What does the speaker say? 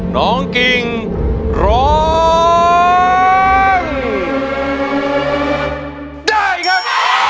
น้องกิ่งร้องได้ครับ